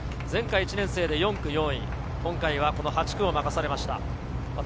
前回１年生で４区４位、今回は８区を任されました。